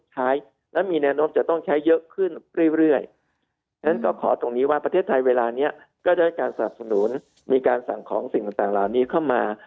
ฉะนั้นก็ขอตรงนี้ว่าประเทศไทยเวลานี้ก็ได้การสนับสนุนมีการสั่งของสิ่งต่างต่างเหล่านี้เข้ามา